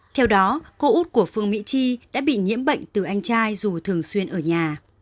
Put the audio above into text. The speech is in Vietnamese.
theo đó cô út của phương mỹ chi đã bị nhiễm bệnh từ anh trai dù thường xuyên ở nhà